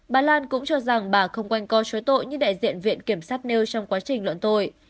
bà lan cũng cho rằng bà không quanh co chối tội như đại diện viện kiểm sát nêu trong quá trình luận tội